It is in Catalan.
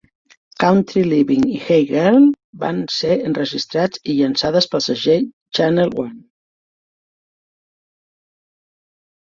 "Country Living" i "Hey Girl" van ser enregistrats i llançades pel segell Channel One.